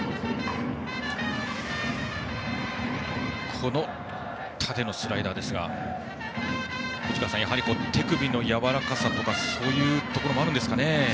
この縦のスライダーですが藤川さん、手首のやわらかさとかそういうところもあるんですかね。